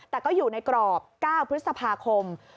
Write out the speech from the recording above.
แต่ก็อยู่ในกรอบ๙พฤษภาคม